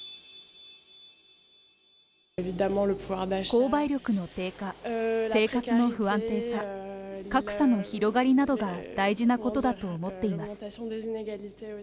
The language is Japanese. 購買力の低下、生活の不安定さ、格差の広がりなどが大事なことだと思っています。